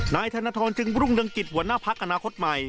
นายธนทรจึงรุ่งเรืองกิจหัวหน้าพักอนาคตใหม่